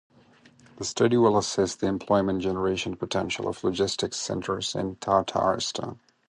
The study will assess the employment generation potential of logistics centers in Tatarstan.